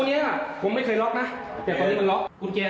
อย่าสวงเจ้าเองจ้า